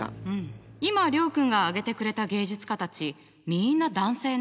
今諒君が挙げてくれた芸術家たちみんな男性ね。